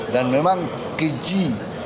dan memang keji